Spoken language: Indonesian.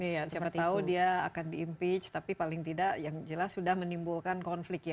iya siapa tahu dia akan diimpeach tapi paling tidak yang jelas sudah menimbulkan konflik ya